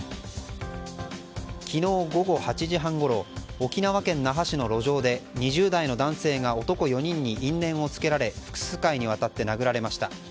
昨日午後８時半ごろ沖縄県那覇市の路上で２０代の男性が男４人に因縁をつけられ複数回にわたって殴られました。